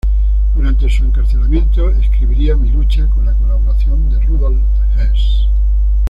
Durante su encarcelamiento escribiría Mi Lucha, con la colaboración de Rudolf Hess.